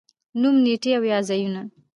نوم، نېټې او یا ځايونه